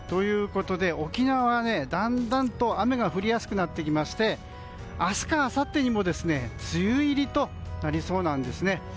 沖縄はだんだんと雨が降りやすくなってきまして明日かあさってにも梅雨入りとなりそうです。